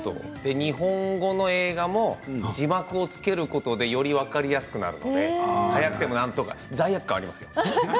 日本語の映画も字幕をつけることでより分かりやすくなるので非常に速くともなんとか罪悪感はありますよ。